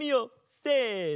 せの。